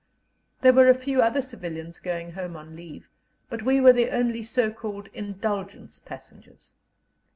There were a few other civilians going home on leave, but we were the only so called "indulgence passengers."